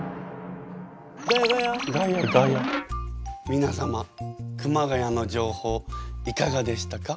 みなさま熊谷の情報いかがでしたか？